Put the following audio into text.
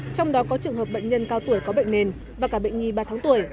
trong đó có trường hợp bệnh nhân cao tuổi có bệnh nền và cả bệnh nhi ba tháng tuổi